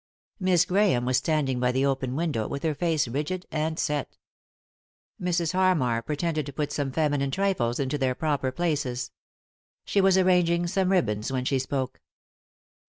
Miss Grahame was standing by the open window, with her face rigid and set Mrs. Harmar pretended to put some feminine trifles into their proper places. She was arranging some ribbons when she spoke.